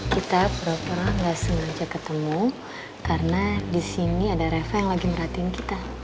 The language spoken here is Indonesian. kita berapa orang gak sengaja ketemu karena di sini ada rafa yang lagi merhatiin kita